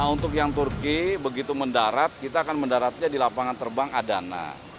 untuk yang turki begitu mendarat kita akan mendaratnya di lapangan terbang adana